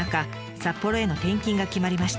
札幌への転勤が決まりました。